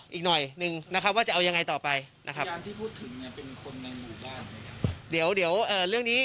เกี่ยวกับลุงพลครับจริงก็ลุงพลเคยให้การไปแล้วแหละนะครับเรื่องนี้